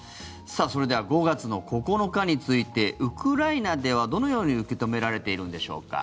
それでは５月の９日についてウクライナでは、どのように受け止められているのでしょう。